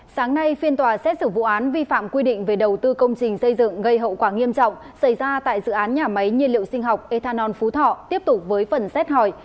sáng nay phiên tòa xét xử vụ án vi phạm quy định về đầu tư công trình xây dựng gây hậu quả nghiêm trọng xảy ra tại dự án nhà máy nhiên liệu sinh học ethanol phú thọ tiếp tục với phần xét hỏi